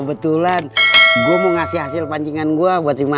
kebetulan gue mau ngasih hasil pancingan gue buat si mama